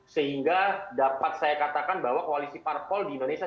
sehingga dapat saya katakan bahwa koalisi parpol di indonesia